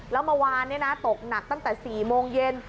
แล้วเมื่อวานตกหนักตั้งแต่๔โมงเย็น